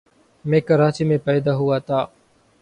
میں کراچی میں پیدا ہوا تھا۔